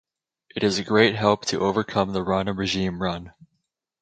It is a great help to overcome the Rana regime run.